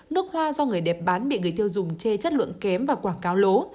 nước hoa do người đẹp bán bị người tiêu dùng chê chất lượng kém và quảng cáo lố